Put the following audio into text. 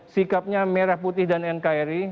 sikapnya merah putih dan nkri